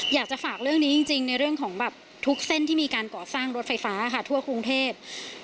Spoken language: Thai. อยากจะฝากเรื่องนี้จริงในเรื่องของแบบทุกเส้นที่มีการก่อสร้างรถไฟฟ้าค่ะทั่วกรุงเทพ